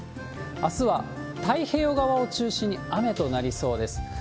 あすは太平洋側を中心に雨となりそうです。